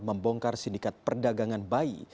membongkar sindikat perdagangan bayi